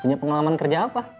punya pengalaman kerja apa